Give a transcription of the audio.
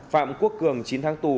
phạm quốc cường chín tháng tù